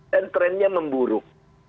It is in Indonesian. dan trendnya memburuk